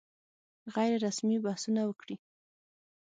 غیر رسمي بحثونه وکړي.